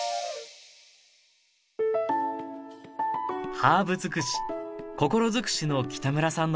ハーブ尽くし心尽くしの北村さんの料理。